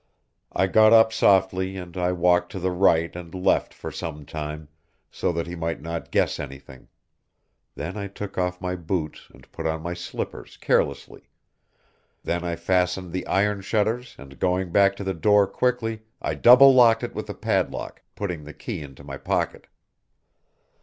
I got up softly, and I walked to the right and left for some time, so that he might not guess anything; then I took off my boots and put on my slippers carelessly; then I fastened the iron shutters and going back to the door quickly I double locked it with a padlock, putting the key into my pocket.